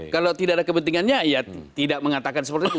kalau tidak ada kepentingannya ya tidak mengatakan seperti itu